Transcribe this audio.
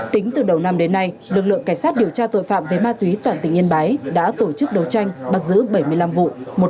tính từ đầu năm đến nay lực lượng cảnh sát điều tra tội phạm về ma túy toàn tỉnh yên bái đã tổ chức đấu tranh bắt giữ bảy mươi năm vụ